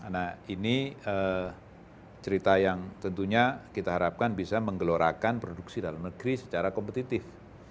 nah ini cerita yang tentunya kita harapkan bisa menggelorakan produksi dalam negeri secara kompetitif